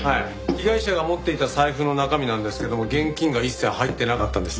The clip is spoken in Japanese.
被害者が持っていた財布の中身なんですけども現金が一切入ってなかったんです。